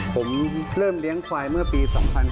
ผมเริ่มเลี้ยงควายเมื่อปี๒๕๕๙